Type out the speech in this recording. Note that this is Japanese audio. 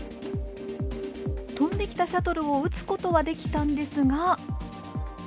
飛んできたシャトルを打つことはできたんですが。